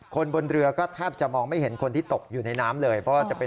คนบนเรือก็แทบจะมองไม่เห็นคนที่ตกอยู่ในน้ำเลย